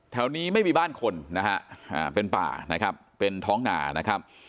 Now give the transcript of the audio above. แถวนี้ไม่มีบ้านคนนะฮะเป็นป่านะครับเป็นท้องหนานะครับ